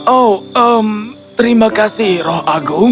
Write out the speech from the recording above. oh terima kasih roh agung